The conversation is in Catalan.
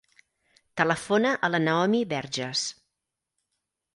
Telefona a la Naomi Berges.